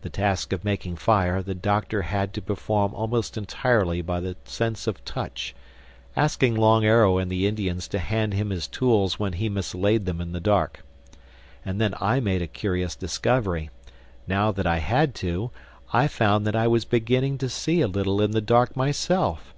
The task of making fire the Doctor had to perform almost entirely by the sense of touch, asking Long Arrow and the Indians to hand him his tools when he mislaid them in the dark. And then I made a curious discovery: now that I had to, I found that I was beginning to see a little in the dark myself.